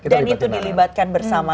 dan itu dilibatkan bersama